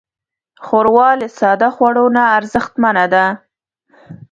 ښوروا له ساده خوړو نه ارزښتمنه ده.